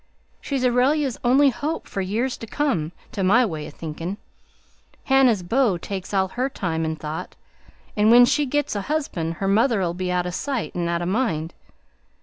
She's Aurelia's only hope for years to come, to my way o' thinkin'. Hannah's beau takes all her time 'n' thought, and when she gits a husband her mother'll be out o' sight and out o' mind.